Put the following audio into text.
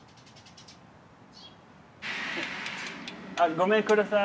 ごめんください。